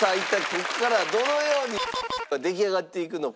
ここからどのようにが出来上がっていくのか。